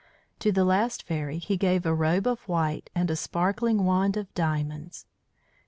To the last fairy he gave a robe of white and a sparkling wand of diamonds.